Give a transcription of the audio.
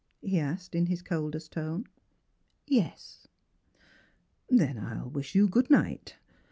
he asked in his coldest tone. "Yes." " Then I'll wish you good night.